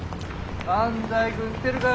安西君来てるか？